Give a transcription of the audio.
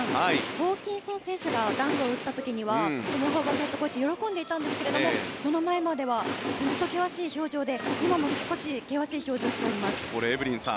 ホーキンソン選手がダンクを打った時はトム・ホーバスヘッドコーチ喜んでいたんですけどもその前まではずっと険しい表情で今も少し険しい表情をしています。